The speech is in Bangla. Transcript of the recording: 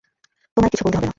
তোমায় কিছু বলতে হবে না।